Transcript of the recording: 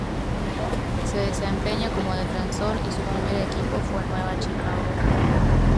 Se desempeña como defensor y su primer equipo fue Nueva Chicago.